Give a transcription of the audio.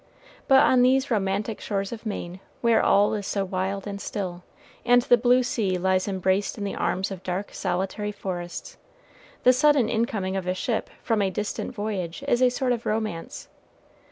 But on these romantic shores of Maine, where all is so wild and still, and the blue sea lies embraced in the arms of dark, solitary forests, the sudden incoming of a ship from a distant voyage is a sort of romance.